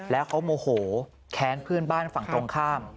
แล้วเขาโมโหแค้นเพื่อนบ้านฝั่งตรงข้าม